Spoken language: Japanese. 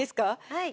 はい。